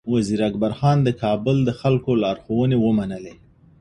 وزیر اکبر خان د کابل د خلکو لارښوونې ومنلې.